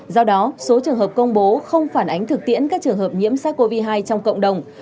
do đó số trường hợp công bố không phản ánh thực tiễn các trường hợp nhiễm sars cov hai trong cộng đồng